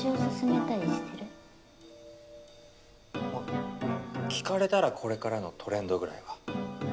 まあ聞かれたらこれからのトレンドぐらいは。